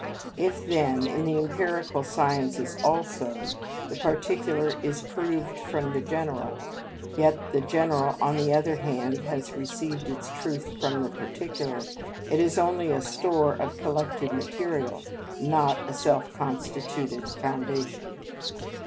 If, then, in the empirical sciences also, the particular is proved from the general, yet the general, on the other hand, has received its truth from the particular; it is only a store of collected material, not a self constituted foundation.